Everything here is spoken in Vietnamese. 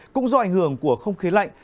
cũng do ảnh hưởng của không khí lạnh